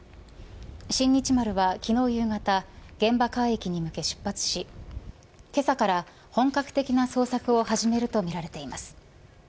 新日丸は昨日夕方現場海域に向け出発しけさから本格的な捜索を始めるとみられています。